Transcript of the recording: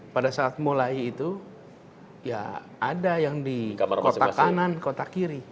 pada saat mulai itu ya ada yang di kota kanan kotak kiri